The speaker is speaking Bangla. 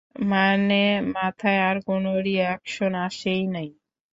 মানে, মাথায় আর কোন রিঅ্যাকশন আসেই নাই।